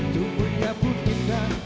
cumbunya pun indah